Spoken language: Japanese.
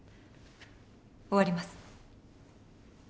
終わります。